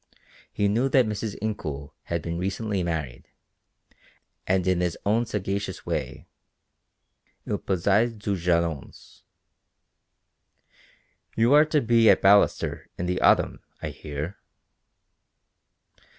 He knew that Mrs. Incoul had been recently married, and in his own sagacious way, il posait des jalons. "You are to be at Ballaster in the autumn, I hear."